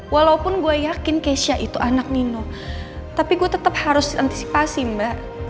walaupun gue yakin keisha itu anak nino tapi gue tetap harus antisipasi mbak